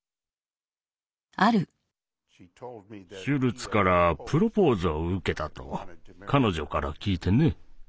シュルツからプロポーズを受けたと彼女から聞いてね。